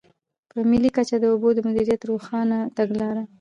په ملي کچه د اوبو د مدیریت روښانه تګلاره.